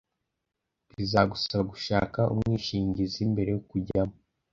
Bizagusaba gushaka umwishingizi mbere yo kujyamo